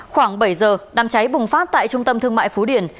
khoảng bảy giờ đàm cháy bùng phát tại trung tâm thương mại phú điển